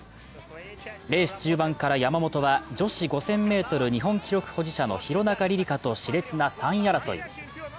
レース中盤から山本は女子５００ｍ日本記録保持者の廣中璃梨佳としれつな３位争い。